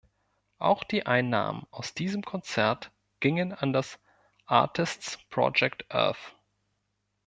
Auch die Einnahmen aus diesem Konzert gingen an das "Artists' Project Earth".